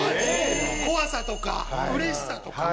怖さとかうれしさとか。